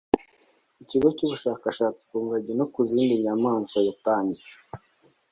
ikigo cy’Ubushakashatsi ku ngagi no ku zindi nyamaswa yatangije